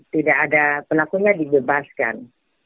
tidak ada pelakunya dibebaskan